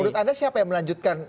menurut anda siapa yang melanjutkan